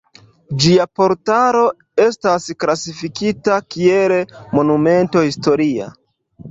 Ĝia portalo estas klasifikita kiel Monumento historia.